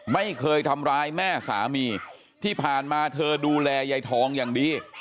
ไม่เคยทำร้ายแม่สามีที่ผ่านมาเธอดูแลยายทองอย่างดี